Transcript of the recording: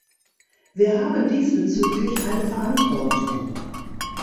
Wir haben diesbezüglich eine Verantwortung.